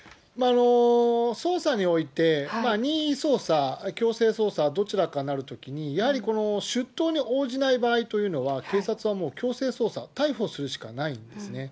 捜査において、任意捜査、強制捜査、どちらかになるときに、やはりこの出頭に応じない場合というのは、警察はもう強制捜査、逮捕するしかないんですね。